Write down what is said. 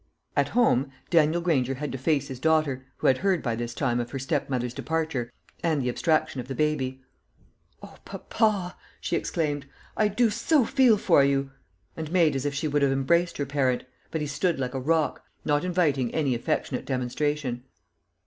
At home, Daniel Granger had to face his daughter, who had heard by this time of her stepmother's departure and the abstraction of the baby. "O, papa," she exclaimed, "I do so feel for you!" and made as if she would have embraced her parent; but he stood like a rock, not inviting any affectionate demonstration.